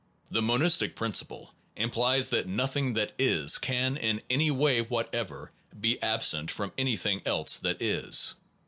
The monistic principle implies that nothing that is can in any way whatever be absent from anything else that is.